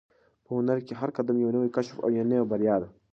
په هنر کې هر قدم یو نوی کشف او یوه نوې بریا ده.